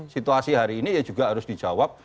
situasi hari ini ya juga harus dijawab